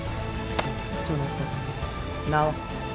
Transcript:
そなた名は。